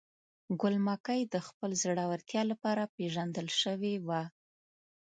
ګل مکۍ د خپل زړورتیا لپاره پیژندل شوې وه.